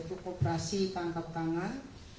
operasi tanpa tanah